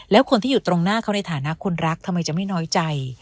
แล้วคนที่อยู่ตรงหน้าเขาในฐานะคนรักทำไมจะไม่น้อยใจ